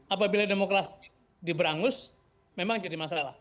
apabila demokrasi diberangus memang jadi masalah